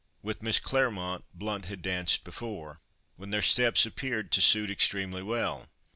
With Miss Claremont Blount had danced before, when their steps appeared to suit extremely well.